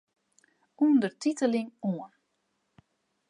Undertiteling oan.